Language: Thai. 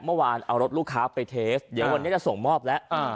เมื่อวานเอารถลูกค้าไปเทปเดี๋ยววันนี้จะส่งมอบแล้ว